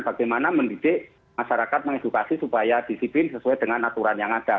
bagaimana mendidik masyarakat mengedukasi supaya disiplin sesuai dengan aturan yang ada